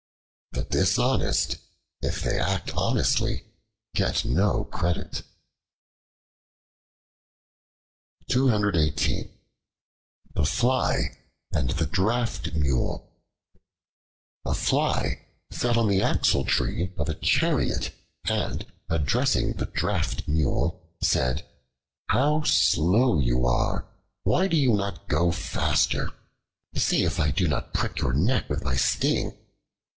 The dishonest, if they act honestly, get no credit. The Fly and the Draught Mule A FLY sat on the axle tree of a chariot, and addressing the Draught Mule said, "How slow you are! Why do you not go faster? See if I do not prick your neck with my sting."